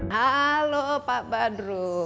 halo pak badru